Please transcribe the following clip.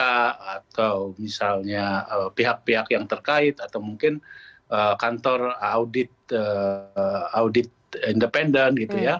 atau misalnya pihak pihak yang terkait atau mungkin kantor audit independen gitu ya